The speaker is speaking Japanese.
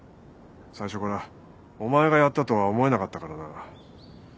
最初からお前がやったとは思えなかったからな。